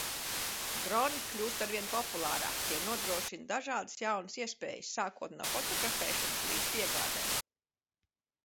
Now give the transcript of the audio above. Droni kļūst aizvien populārāki, tie nodrošina dažādas jaunas iespējas – sākot no fotografēšanas līdz piegādēm.